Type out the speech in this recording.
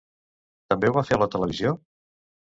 També ho va fer a la televisió?